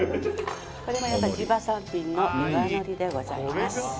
これもやっぱ地場産品の岩のりでございます